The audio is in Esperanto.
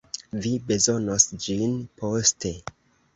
Vi bezonos ĝin poste.